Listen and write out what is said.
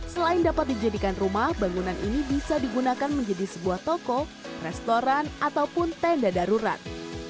selain dapat dijadikan rumah bangunan ini bisa digunakan menjadi sebuah toko restoran ataupun tenda darurat